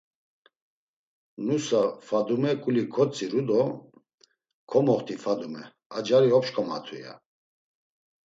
Nusa, Fadume ǩuli kotziru do: “Komoxti Fadume, a cari opşǩomatu.” ya.